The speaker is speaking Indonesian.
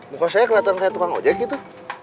muka saya kelihatan kayak tukang ojek gitu